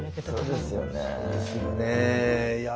そうですよね。